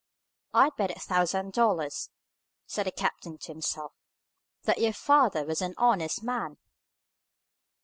"I'd bet a thousand dollars," said the captain to himself, "that your father was an honest man!"